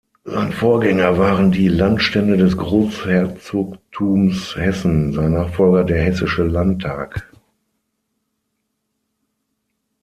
Sein Vorgänger waren die Landstände des Großherzogtums Hessen, sein Nachfolger der Hessische Landtag.